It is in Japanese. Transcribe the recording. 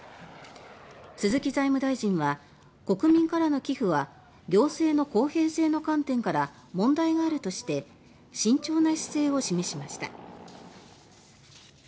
鈴木財務大臣は国民からの寄付は行政の公平性の観点から問題があるとして慎重な姿勢を示しました。